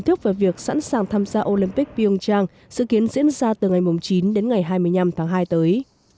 thức về việc sẵn sàng tham gia olympic piung trang dự kiến diễn ra từ ngày chín đến ngày hai mươi năm tháng hai tới